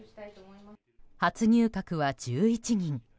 初入閣は１１人。